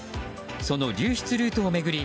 その流出ルートを巡り